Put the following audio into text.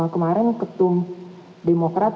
kemarin ketum demokrat